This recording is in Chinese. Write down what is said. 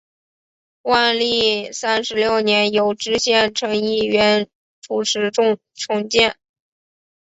万历三十六年由知县陈一元主持重建。